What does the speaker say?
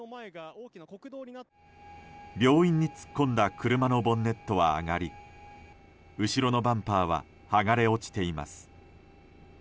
病院に突っ込んだ車のボンネットは上がり後ろのバンパーは剥がれ落ちています。